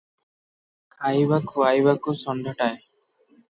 ଖାଇବା ଖୁଆଇବାକୁ ଷଣ୍ଢଟାଏ ।